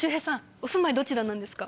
お住まいどちらなんですか？